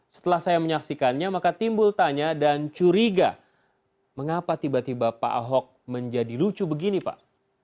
setelah saya menyaksikannya maka timbul tanya dan curiga mengapa tiba tiba pak ahok menjadi lucu begini pak